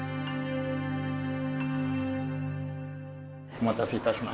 お待たせいたしました。